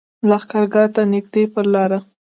لښکرګاه ته نږدې پر لاره.